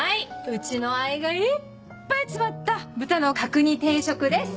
うちの愛がいっぱい詰まった豚の角煮定食です！